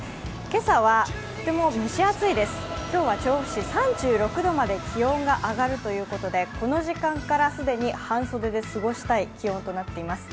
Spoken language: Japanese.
今日は調布市、３６度まで気温が上がるということでこの時間から既に半袖で過ごしたい気温となっています。